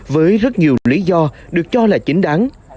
với rất nhiều lý do được cho là chính đáng